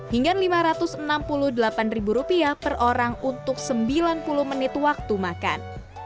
hingga rp lima ratus enam puluh delapan per orang untuk sembilan puluh menit waktu makan